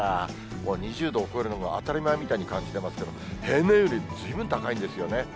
もう２０度を超えるのも当たり前みたいに感じてますけど、平年よりずいぶん高いんですよね。